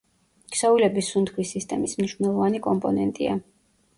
ქსოვილების სუნთქვის სისტემის მნიშვნელოვანი კომპონენტია.